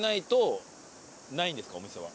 お店は。